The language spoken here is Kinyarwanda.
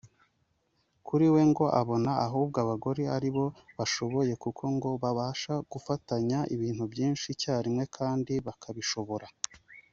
Kuri we ngo abona ahubwo abagore ari bo bashoboye kuko ngo babasha gufatanya ibintu byinshi icyarimwe kandi bakabishobora